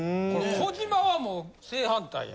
・小島はもう正反対や。